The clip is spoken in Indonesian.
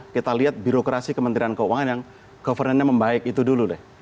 kita lihat birokrasi kementerian keuangan yang governance nya membaik itu dulu deh